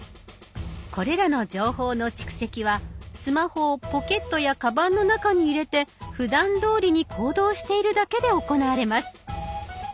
これらの情報の蓄積はスマホをポケットやカバンの中に入れてふだんどおりに行動しているだけで行われます。